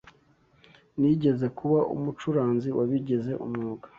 Nigeze kuba umucuranzi wabigize umwuga.